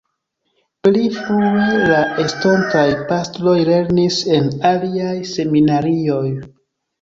Pli frue la estontaj pastroj lernis en aliaj seminarioj.